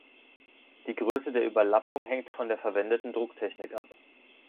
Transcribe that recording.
Die Größe der Überlappung hängt von der verwendeten Drucktechnik ab.